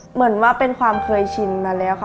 เหมือนว่าเป็นความเคยชินมาแล้วค่ะ